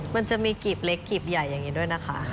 มันจะมีกรีบเล็กกีบใหญ่อย่างนี้ด้วยนะคะ